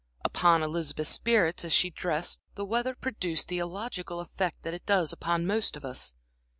Upon Elizabeth's spirits as she dressed the weather produced the illogical effect that it does upon most of us.